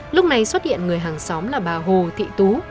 lúc này xuất hiện người hàng xóm là bà hồ thị tú